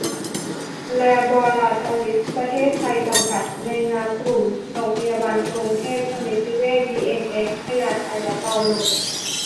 แลบอราทอรีส์ ประเทศไทย จำกัด ในนามกลุ่มโรงพยาบาลกรุงเทพ สมิติเวช บีเอ็นเอช พญาไท และเปาโล